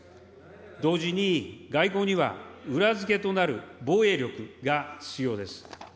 同時に、外交には裏付けとなる防衛力が必要です。